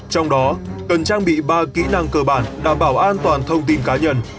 trong đó cần trang bị ba kỹ năng cơ bản đảm bảo an toàn thông tin cá nhân